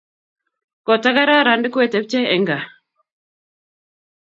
Kotagararan ndikwetepche eng ngaa